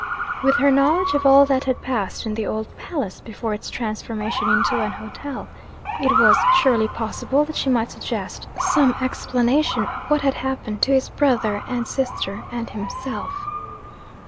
With her knowledge of all that had passed in the old palace, before its transformation into an hotel, it was surely possible that she might suggest some explanation of what had happened to his brother, and sister, and himself.